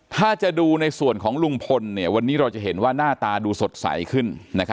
ถ้าจะดูในส่วนของลุงพลวันนี้เราจะเห็นว่าหน้าตาดูสดใสขึ้น